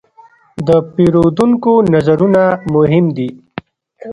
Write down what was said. د پیرودونکو نظرونه مهم دي.